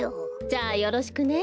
じゃあよろしくね。